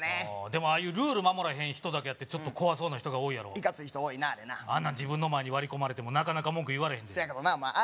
でもルール守らへん人だけあってちょっと怖そうな人が多いやろいかつい人多いな自分の前に割り込まれてもなかなか文句言われへんそやけどなお前ああ